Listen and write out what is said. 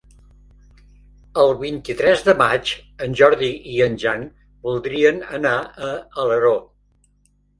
El vint-i-tres de maig en Jordi i en Jan voldrien anar a Alaró.